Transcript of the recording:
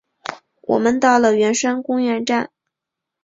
我们到了圆山公园站